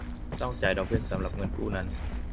ต้องจ่ายดอกเบี้ยสำหรับเงินกู้นั้น